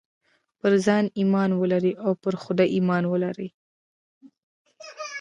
پر ځان ايمان ولرئ او پر خدای ايمان ولرئ.